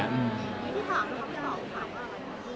พี่ถามแล้วครับพี่ตอบถามแล้วครับ